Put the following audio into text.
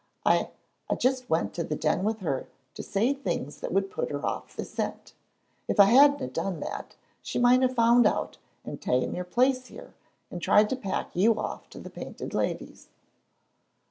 I I just went to the Den with her to say things that would put her off the scent. If I hadna done that she might have found out and ta'en your place here and tried to pack you off to the Painted Lady's."